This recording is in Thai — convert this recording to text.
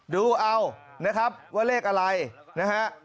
ดูเอานะครับว่าเลขอะไรนะฮะ